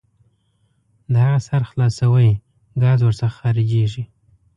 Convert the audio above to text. د هغه سر خلاصوئ ګاز ور څخه خارجیږي.